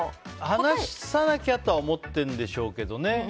話さなきゃとは思ってるんでしょうけどね。